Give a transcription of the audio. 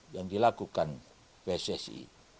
yang dilakukan pssi